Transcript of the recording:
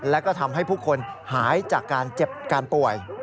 และก็ทำให้ผู้คนหายจากการเจ็บการป่วย